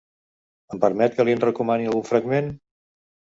Em permet que li'n recomani algun fragment?